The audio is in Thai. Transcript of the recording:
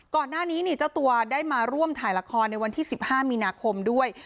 ก่อนหน้านี้เจ้าตัวได้มาร่วมถ่ายละครในวันที่๑๕มีนาคมด้วย